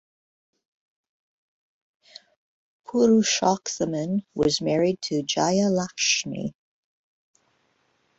Purushothaman was married to Jayalakshmi.